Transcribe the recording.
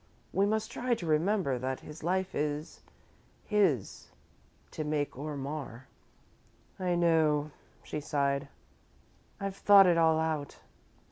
We must try to remember that his life is his to make or mar." "I know," she sighed, "I've thought it all out."